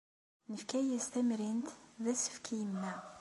Nefka-as tamrint d asefk i yemma.